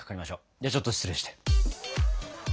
ではちょっと失礼して。